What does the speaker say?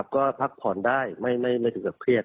ก็พักผ่อนได้ไม่ถึงกับเครียด